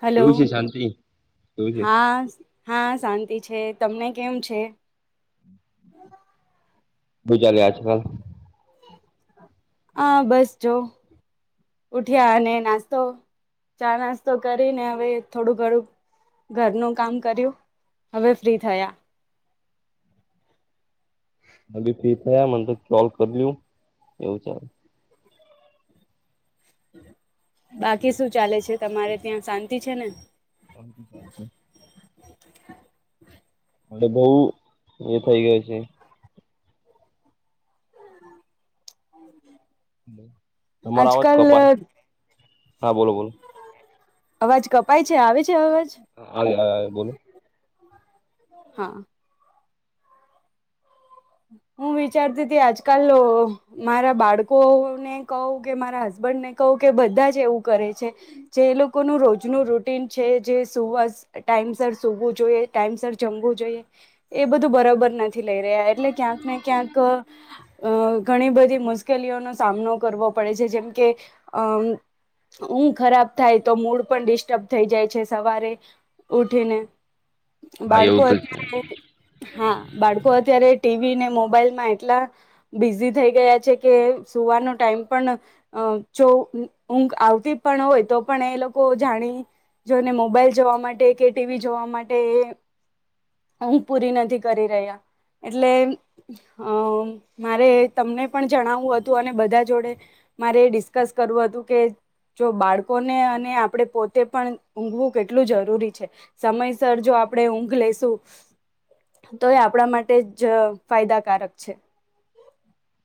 Hello કેવું છે શાંતિ કેવું છે હા હા શાંતિ છે તમને કેમ છે શુ ચાલે આજકાલ? હા બસ જો ઉઠ્યા અને નાસ્તો ચાનાસતો કરીને હવે થોડુંક ઘણુ ઘરનું કામ કર્યું હવે ફ્રી થયા હ બી ફ્રી થયા મને તો કોલ કરયુ એવું છે બાકી શું ચાલે છે તમારે ત્યાં શાંતિ છે ને? હ ચાલ છે મને બોઉ એ થઇ ગય છે તમારો અવાજ આજકાલ કપાય હા બોલો બોલો અવાજ કપાય છે આવે છે અવાજ હા હ બોલો હા હું વિચારતી હતી આજકાલ મારા બાળકોને કહું કે મારા હસબેન્ બન ને કહું કે બધા જ એવું કરે છે જે એ લોકોનું રોજનું રૂટીન છે જે સુવા ટાઈમ પર સુવું જોઈએ ટાઈમ પર જમવું જોઈએ એ બધું બરોબર નથી લઇ રહ્યા એટલે ક્યાંકને ક્યાંક અ અ ઘણી બધી મુશ્કેલીઓનો સામનો કરવો પડે છે જેમકે અમ ઊંઘ ખરાબ થાય તો મૂડ પણ ડિસ્ટર્બ થઈ જાય છે સવારે ઉઠીને, હા એવું બાળકો તો છે અત્યારે હા બાળકો અત્યારે ટીવી ને મોબાઈલમાં એટલા બિઝી થઈ ગયા છે કે સુવાનો ટાઈમ પણ અ પી જો ઊંઘ આવતી પણ હોય તો પણ એ લોકો જાણી જોઈને મોબાઈલ જોવા માટે કે ટીવી જોવા માટે એ ઊંઘ પૂરી નથી કરી રહ્યા એટલે અમ મારે તમને પણ જણાવવું હતું અને બધા જોડે મારે ડિસ્કસ કરવું હતું કે જો બાળકોને અને આપડે પોતે પણ ઊંઘવું કેટલું જરૂરી છે સમયસર જો આપણે ઊંઘ લઈેશું તો એ આપણા માટે જ ફાયદાકારક છે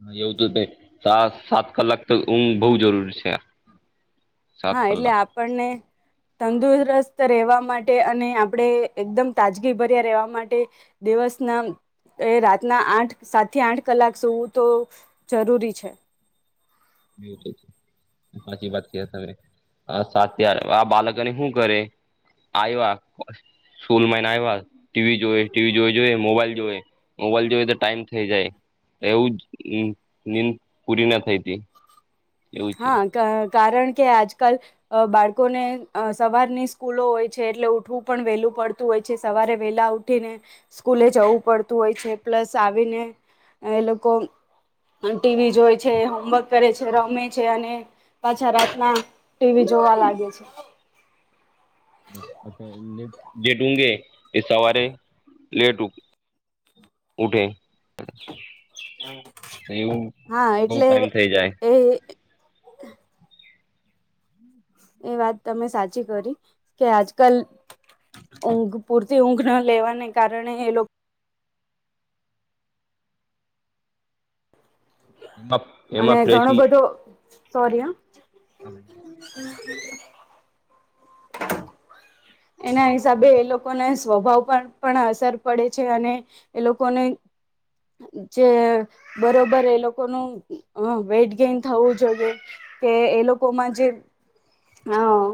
હા એવું તો થાય. સા સાત કલાક તો ઊંઘ બઉ જરૂરી છે. સાત હા એટલે કલાક આપણને તંદુરસ્ત ત રહેવા માટે અને આપણે એકદમ તાજગીભર્યા રહેવા માટે દિવસના એ રાતના આઠ સાતથી આઠ કલાક સુવું તો જરૂરી છે. હા એટલે જ. સાચી વાત કયે તમે. આ સાત્યા બાલકને હું કરે? આયવા સ્કૂલ માહીન આવ્યા, ટીવી જોએ, ટીવી જોઈ-જોઈ, મોબાઈલ જોવે, મોબાઈલ જોવે તો ટાઈમ થઈ જાય. એવું જ નીંદ પૂરી ના થઈ તી. હા ક કારણ કે આજકાલ અહ બાળકોને અહ સવારની સ્કૂલો હોય છે, એટલે ઉઠવું પણ વહેલું પડતું હોય છે. સવારે વેલા ઉઠીને સ્કૂલે જવું પડતું હોય છે. પ્લસ આવીને એ લોકો ટીવી જોય છે, હોમવર્ક કરે છે, રમે છે, અને પાછા રાતના ટીવી જોવા લાગે છે. અચ્છા [unintelligible] એ સવારે લેટ ઉઠ ઉઠે. એવું હા બઉ એટલે ટાઈમ થઇ જાય. એ એ વાત તમે સાચી કરી કે આજકાલ ઊંઘ પૂરતી ઊંઘ ના લેવાને કારણે એ લોક એમાં અને એમાં ઘણો બધો સોરી હહ હા. [inaudible] [inaudible] એના હિસાબે એ લોકોને સ્વભાવ પર પણ અસર પડે છે અને એ લોકોને જે બરોબર એ લોકોનું અહ વેટ ગેઈન થવું જોઈએ કે એ લોકોમાં જે અહ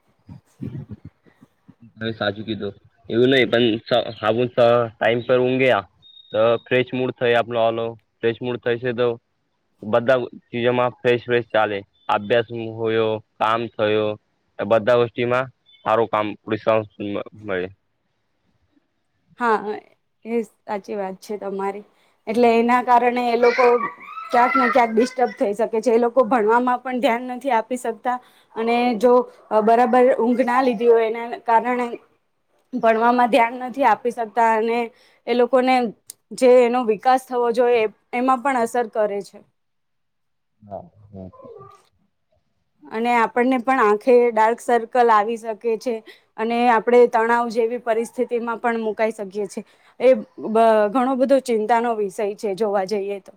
[inaudible] હા સાચું કીધું. એવું નહી પણ સા [unintelligible] ટાઈમ પર ઊંઘે તો ફ્રેશ મૂડ થાય આપનો ઓલો. ફ્રેશ મૂડ થાય છે તો બધા ચીજોમાં ફ્રેશ-ફેશ ચાલે, આભ્યાસ હોયો, કામ થયો આ બધા વસ્તીમાં સારું કામ [unintelligible] મળે. હા એ સાચી વાત છે તમારી, એટલે એના કારણે એ લોકો ક્યાંક ને ક્યાંક ડિસ્ટર્બ થઈ શકે છે. એ લોકો ભણવામાં પણ ધ્યાન નથી આપી શકતા, અને જો જો બરાબર ઊંઘ ના લીધી હોય એના કારણે ભણવામાં ધ્યાન નથી આપ આપી શકતા, અને એ લોકોને જે એનો વિકાસ થવો જોઈએ એ એમાં પણ અસર કર કરે છે. હા, હમ્મ. અને આપણને પણ આંખે ડાર્ક સર્કલ આવી શકે છે, અને આપણે તણાવ જેવી પરિસ્થિતિમાં પણ મુકાઈ શકીએ છીએ. એ અહ ઘણો બધો ચિંતાનો વિષય છે. જોવા જઈએ તો.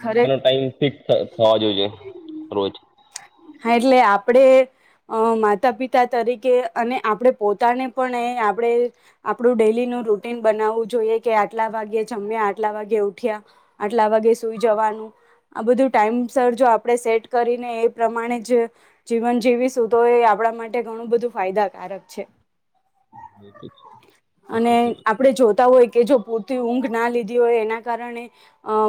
ખરે [unintelligible] થવા જોઈએ રોજ. હા એટલે આપણે અહ માતા પિતા તરીકે અને આપણે પોતાને પણ એ આપ આપણે આપડું ડેલી નું રૂટીન બનાવવું જોઈએ કે આટલા વાગે જમ્યા આટલા વાગે ઉઠ્યા આટલા વાગે સુઈ જવાનું આ બધું ટાઈમ સર જો આપણે સેટ કરીને એ પ્રમાણે જ જીવન જીવીશું તો એ આપણા માટે ઘણું બધું ફાયદાકારક છે. અને સાચી આપડે જોતા હોય કે જો પૂરતી ઊંઘ ના લીધી હોય એના કારણે અહ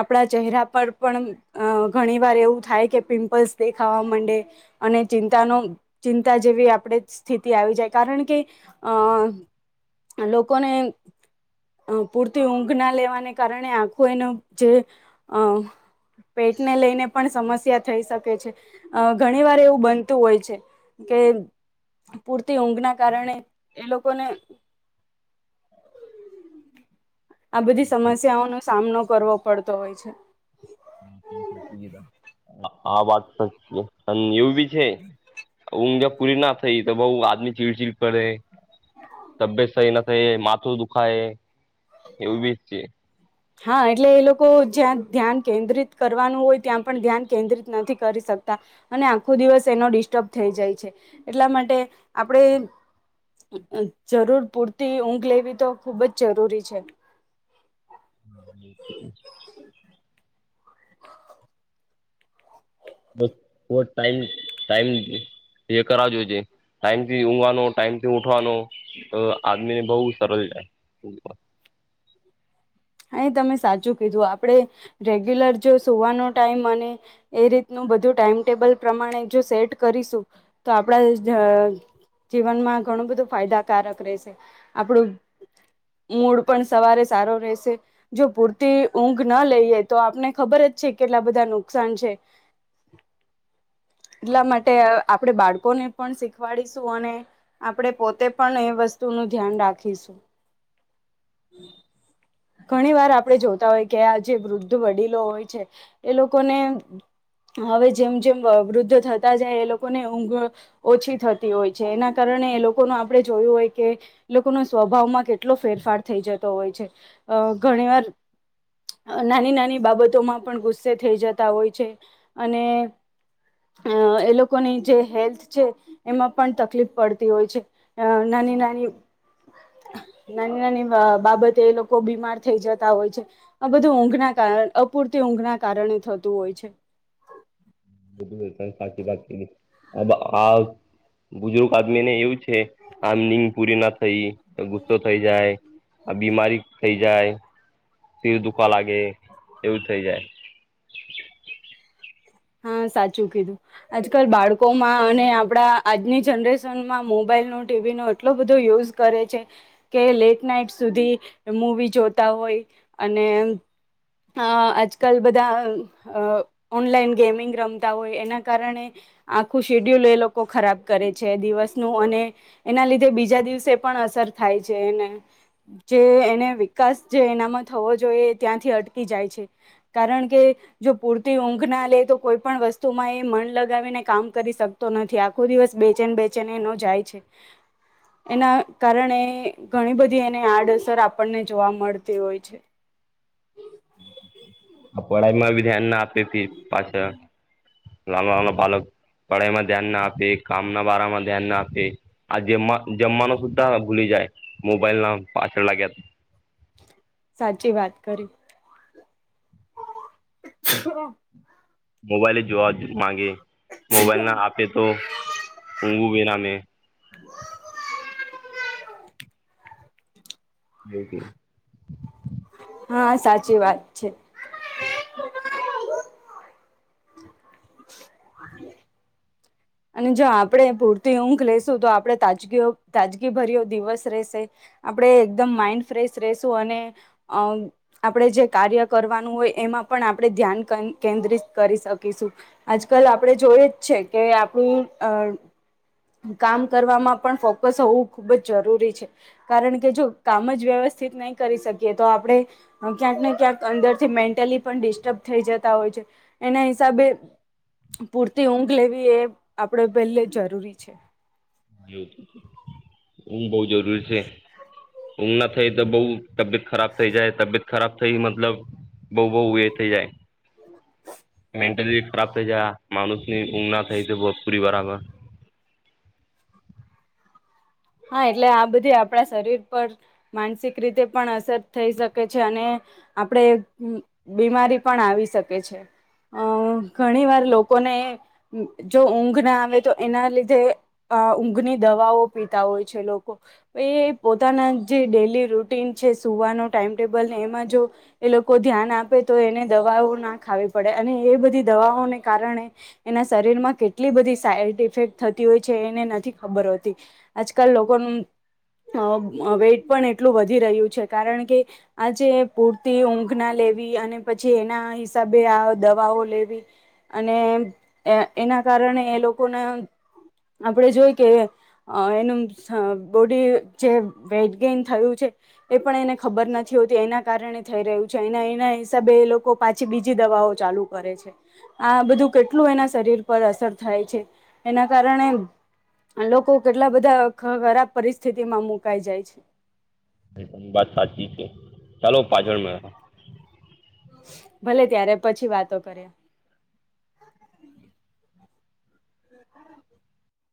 આપણા ચહેરા પર પણ અહ ઘણી વાર એવું થાય કે પિમ્પલ્સ દેખાવા મંડે અને ચિંતાનો ચિંતા જેવી આપણે સ્થિતિ આવી જાય, કારણ કે અ લોકોને અ પૂરતી ઊંઘ ના લેવાને કારણે આખો એનો, જે, અ પેટને લઈને પણ સમસ્યા થઈ શકે છે, અ ઘણી વાર એવું બનતું હોય છે. કે પૂરતી ઊંઘના કારણે એ લોકોને આ બધી સમસ્યાઓનો સામનો કરવો પડતો હોય છે. આ વાત સચ છે એવું બી છે, ઊંઘ એ પૂરી ના થઈ તો બઉ આદમી ચીડ ચીડ કર તબેત સહી ન થયે, માથું દુખાય, એવું બી છે. હા એટલે એ લોકો જ્યાં ધ્યાન કેન્દ્રિત કરવાનું હોય ત્યાં પણ ધ્યાન કેન્દ્રિત નથી કરી સ કતા અને આખો દિવસ એનો ડિસ્ટર્બ થઈ જાય છે, એટલા માટે આપણે જરૂર પૂરતી ઊંઘ લેવી તો ખુબ જ જરૂરી છે. હટ હ બસ થોડો ટાઈમ, ટાઈમ એ કરાવજો જે. ટાઈમથી ઊવાનો, ટાઈમથી ઉઠવાનો આદમીને બહુ સરલ જાય ઉંઘમાં. હા એ તમે સાચું કીધું, આપડે રેગ્યુલર જો સુવાનો ટાઈમ અને એ રીતનું બધું ટાઈમટેબલ પ્રમાણે જો સેટ કરીશું, તો આપણા જ જીવનમાં ઘણું બધું ફાયદાકારક રેશે, આપણું મૂડ પણ સવારે સારો રેહસે. જો પૂરતી ઊંઘ ન લઈએ, તો આપને ખબર જ છે કેટલા બધા નુકસાન છે. એટલા માટે આપણેે બાળકોને પણ શીખવાડીશું અને આપડે પોતે પણ એ વસ્ તું નું ધ્યાન રાખીશું. ઘણી વાર આપણેે જોતા હોય કે આ જે વૃદ્ધ વડીલો હોય છે, એ લોકોને હવે જેમ જેમ વ વૃદ્ધ થતા જાય એ લોકોને ઊંઘ ઓછી થતી હોય છે એના કાર ણે એ લોકો નું આપણે જોયું હોય કે લોકોનો સ્વભાવમાં કેટલો ફેરફાર થઈ જતો હોય છે. અ ઘણી વાર નાની નાની બાબતોમાં પણ ગુસ્સે થઈ જતા હોય છે અને અ એ લોકોની જે હેલ્થ છે, એમાં પણ તકલીપ પડતી હોય છે. એ ન નાની, નાની બ બાબતે એ લો કો બીમાર થઈ જતા હોય છે, આ બધું ઊંઘના કાર અપૂરતી ઊંઘ ના કારણે થતું હોય છે. હ [unintelligible] સાચી વાત કીધી, આ બ આ બુજુર્ગ આદમી ને એવું છ આમ નીંગ પૂરી ન થઈ, તો ગુસ્સો થઈ જાય, આ બીમારી થઈ જાય શિર દુખવા લાગે, એવું થઈ જાય. હા સાચું કીધું. આજકાલ બાળકોમાં અને આપણા આજની જનરેશનમાં મોબા ઈલ નો, ટી વી નો એટલો બધો યુઝ કરે છે, કે લેટ નાઈટ સુધી મુવી જોતા હો ય અને અ આજકલ બધા અ ઓનલાઇન ગેમિંગ રમતા હોય એના કારણે આખું શીડ્યુલ એ લોકો ખરાબ કરે છે દિવસનું અને એના લીધે બીજા દિવસે પણ અસર થાય છે જે એને, જે એને વિકાસ જે એના થવો જોઈએ ત્યાંથી અટકી જાય છે, કારણ કે જો પૂરતી ઊંઘ ના લે તો કોઈ પણણ વસ્તુમાં એ મન લગાવીને કામ કરી શકતો નથી, આખો દિવસ બેચેન બેચેને એનો જાય છે. એના કારણે ઘણી બધી એને આડઅસર આપણને જોવા મળતી હોય છે. પઢાઈમાં બી ધ્યાન ના આપી અપિ પાછા [unintelligible] પાલક પઢાઈમાં ધ્યાન ના આપીએ, કામ ના બારામાં ધ્યાન ના આપીએ, આ જેમ જમવાનું સુધા ભૂલી જા મોબાઈલ ના પાછળ લાગ્યા સાચી વાત કરી હા [inaudible] મોબાઈલે જોવા માગે મોબાઈલ ના આપે તો ઊઘું બેનામે હ [inaudible] જો કે હા સાચી વાત છે [inaudible] [inaudible] અને જો આપડણે પૂરતી ઊઘ લઈેશું તો આપડે તાજગી તાજગીભર્યો દિવસ રહેશે આપણે એકદમ માઇન્ડ ફ્રેશ રશું અને આપણેે જે કાર્ય કરવાનું હોય એમ પણ આપણે ધ્યાન કેન્દ્રિત કરી શકીશું આજકાલ આપણે જોય જ છે કે કો અ કામ કરવામાં પણ ફોકસ હોવું ખુબ જ જરૂરી છે કારણ કે જો કામ જ વ્યવસ્ા નહી કરી શકીએ તો આપણે ક્યાંકને ક્યાંક અંદરથી મેન્ટલી પણ ડિસ્ટર્બ થઈ જતા હોય એના હિસાબે પૂરતી ઊંઘ લેવી એ આપડ પહેલે જરૂરી છે ઊંઘ બઉ જરૂરી છે ઊંઘ ના થઈ તો બઉ તબિયત ખરાબ થઈ જાય તબિયત ખરાબ થઈ મતલબ બહુ બહુ એ થઈ જાય મેન્ટલી ખરાબ થઇ જયા માણુસ ની ઊંઘ ના થઈ તો બરાબર હા એટલે આ બધી આપણા શરીર પર માનસિક રીતે પણ અસર થઈ શકે છે અને આપડે બીમારી પણ આવી શકે છે અ ઘણી વાર લોકોને જો ઊંઘ ના આવે તો એના લીધે ઊંઘની દવાઓ પી હોય છે લોકો એ પોતાના જે ડેલી રૂટીન છે સુવાનો ટાઈમટેબલને એમ જો એ લોકો ધ્યાન આપે તો એને દવાઓ ના ખાવી પડે અને એ બધી દવાઓને કારણે એના શરીર માં કેટલી બધી સાઈડ ઇફેક્ટ થતી હોય છે એને નથી ખબર હોતી આજ કલ લોકોનું અ વેઇટ પણ એટલું વધી રહ્યું છે કારણ કે આજે પૂરતી ઊંઘના લે લેવી અને પછી એના હિસાબે આ દવાઓ લેવી અને એના કારણે એ લોકોને આપડે જોઈ કે એનું બોડી જે વેઈટ ગેઈન થયું છે એ પણ એને ખબર નથી હોતી એના કારણે થઈ રહ્યું છે એના એના હિસાબે એ લોકો પાછી બીજી દવાઓ ચાલુ કરે છે આ બધું કેટલું એના શરીર પર અસર થાય છે એના કારણે લોકો કેટલા બધા ખરાબ પરિસ્થિતિમાં મુકાઈ જાય છે એ વાત સાચી છે ચાલો પાછળ મે ભલે ત્યારે પછી વાતો કરીે